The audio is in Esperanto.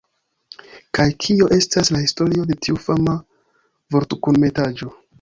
Kaj kio estas la historio de tiu fama vortkunmetaĵo